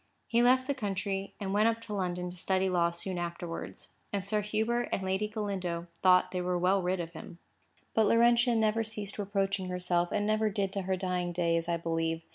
He left the country, and went up to London to study law soon afterwards; and Sir Hubert and Lady Galindo thought they were well rid of him. But Laurentia never ceased reproaching herself, and never did to her dying day, as I believe.